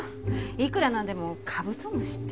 いくらなんでもカブトムシって。